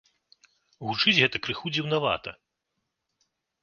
Гучыць гэта крыху дзіўнавата.